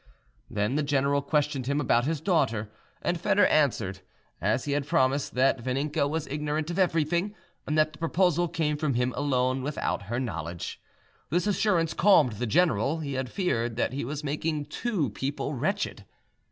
Then the general questioned him about his daughter, and Foedor answered, as he had promised, that Vaninka was ignorant of everything, and that the proposal came from him alone, without her knowledge. This assurance calmed the general: he had feared that he was making two people wretched.